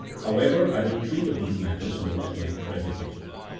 However, I will treat of these matters more at length presently.